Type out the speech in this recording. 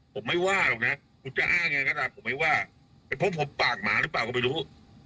ผมไม่ว่าหรอกนะผมจะอ้างยังไงก็ตามผมไม่ว่าเพราะผมปากหมาหรือเปล่าก็ไม่รู้